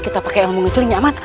kita pake yang mengecilin nyaman